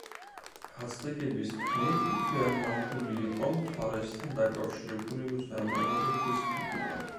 აცტეკების თქმით, იქვე აღმართული იყო მთვარესთან დაკავშირებული უზარმაზარი ქვის ფიგურა.